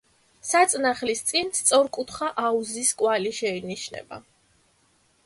საწნახლის წინ სწორკუთხა აუზის კვალი შეინიშნება.